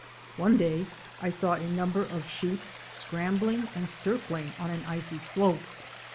One day I saw a number of sheep scrambling and circling on an icy slope.